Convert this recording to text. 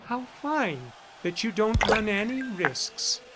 ... How fine that you don't run any risks!"